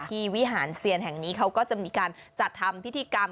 วิหารเซียนแห่งนี้เขาก็จะมีการจัดทำพิธีกรรม